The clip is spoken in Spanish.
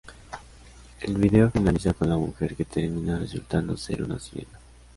El video finaliza con la mujer que termina resultando ser una sirena.